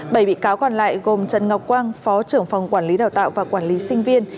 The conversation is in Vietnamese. bảy bị cáo còn lại gồm trần ngọc quang phó trưởng phòng quản lý đào tạo và quản lý sinh viên